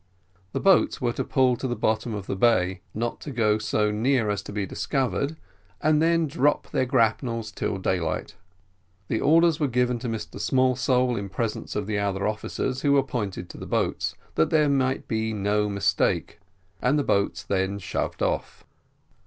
The boats were to pull to the bottom of the bay, not to go so near as to be discovered, and then drop their grapnels till daylight. The orders were given to Mr Smallsole in presence of, the other officers who were appointed to the boats, that there might be no mistake, and the boats then shoved off.